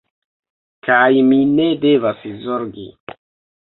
Kaj mi ne devas zorgi.